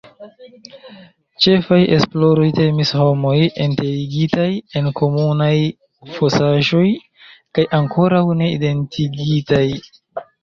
Ĉefaj esploroj temis homoj enterigitaj en komunaj fosaĵoj, kaj ankoraŭ ne identigitaj.